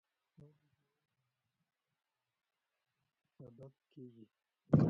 آب وهوا د افغانستان د موسم د بدلون سبب کېږي.